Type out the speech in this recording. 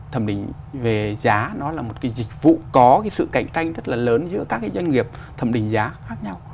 thẩm định về giá nó là một cái dịch vụ có cái sự cạnh tranh rất là lớn giữa các cái doanh nghiệp thẩm định giá khác nhau